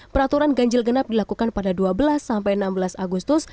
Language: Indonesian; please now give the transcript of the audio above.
peraturan ganjil genap dilakukan pada dua belas sampai enam belas agustus